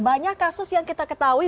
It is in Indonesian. banyak kasus yang kita ketahui